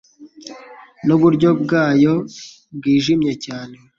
nuburyo bwayo bwijimye cyane